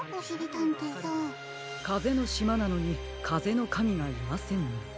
かぜのしまなのにかぜのかみがいませんね。